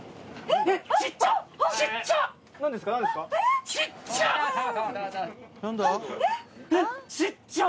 えっちっちゃ！